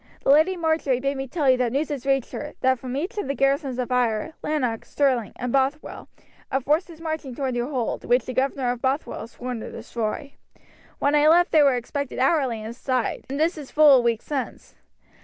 "The Lady Marjory bade me tell you that news has reached her, that from each of the garrisons of Ayr, Lanark, Stirling and Bothwell, a force is marching toward your hold, which the governor of Bothwell has sworn to destroy. When I left they were expected hourly in sight, and this is full a week since."